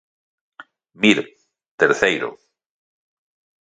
Mir, terceiro.